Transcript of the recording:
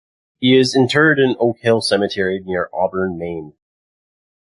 He is interred in Oak Hill Cemetery, near Auburn, Maine.